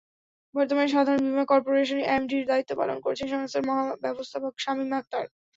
বর্তমানে সাধারণ বীমা করপোরেশনে এমডির দায়িত্ব পালন করছেন সংস্থার মহাব্যবস্থাপক শামিম আখতার।